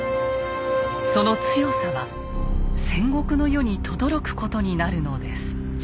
その強さは戦国の世にとどろくことになるのです。